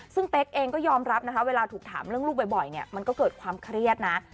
ซึ่งเป๊กเองก็ยอมรับนะคะเวลาถูกถามเรื่องลูกบ่อยเนี่ยมันก็เกิดความเครียดนะ